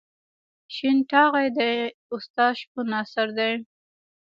شین ټاغی د استاد شپون اثر دی.